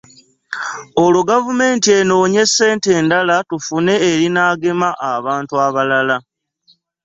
Olwo gavumenti enoonye ssente endala tufune erinaagema abantu abalala